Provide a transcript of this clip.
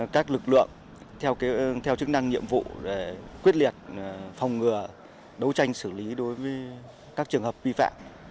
các lực lượng theo chức năng nhiệm vụ quyết liệt phòng ngừa đấu tranh xử lý đối với các trường hợp vi phạm